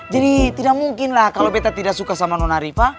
jadi tidak mungkin lah kalo beta tidak suka sama nona riva